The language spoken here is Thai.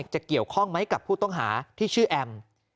จะเกี่ยวข้องไหมกับผู้ต้องหาที่ชื่อแอม